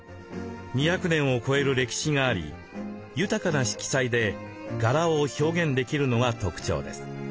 ２００年を超える歴史があり豊かな色彩で柄を表現できるのが特徴です。